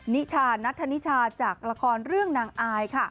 นิชานัทธนิชาจากละครเรื่องนางอายค่ะ